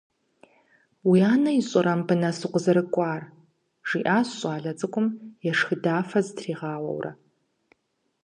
«Уи анэ ищӏэрэ мыбы нэс укъызэрыкӏуар?» жиӏащ щӏалэ цыкӏум ешхыдэфэ зытригъауэурэ.